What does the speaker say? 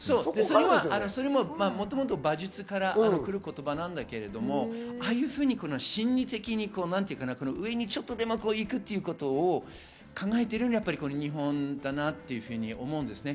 もともと馬術から来る言葉なんだけれども、心理的にちょっとでも上に行くということを考えているのは日本だなと思うんですね。